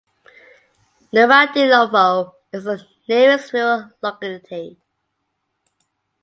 Nuradilovo is the nearest rural locality.